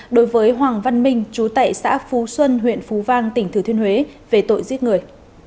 đối với hoàng văn minh chú tại xã phú xuân huyện phú vang tỉnh thừa thiên huế về tội giết người